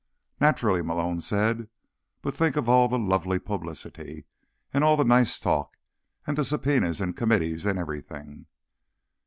"Naturally," Malone said. "But think of all the lovely publicity. And all the nice talk. And the subpoenas and committees and everything."